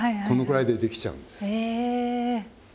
このくらいでできちゃうんです。